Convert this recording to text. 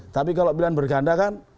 tapi kalau pilihan berganda kan